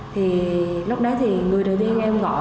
thì lúc đấy thì người đầu tiên em gọi